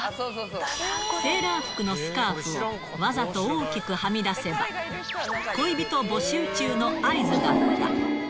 セーラー服のスカーフをわざと大きくはみ出せば、恋人募集中の合図だった。